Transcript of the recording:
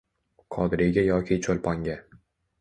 Qodiriyga yoki Choʻlponga.